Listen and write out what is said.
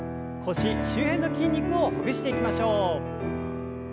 腰周辺の筋肉をほぐしていきましょう。